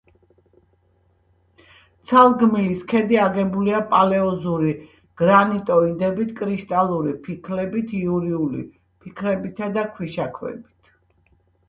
ცალგმილის ქედი აგებულია პალეოზოური გრანიტოიდებით, კრისტალური ფიქლებით, იურული ფიქლებითა და ქვიშაქვებით.